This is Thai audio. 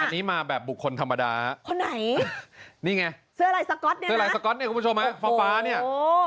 อันนี้มาแบบบุคคลธรรมดาคนไหนนี่ไงเสื้อลายสก๊อตเนี่ยนะเสื้อลายสก๊อตเนี่ยคุณผู้ชมไหมฟ้าเนี่ย